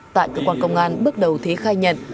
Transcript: tại cơ quan công an bước đầu thí khai nhận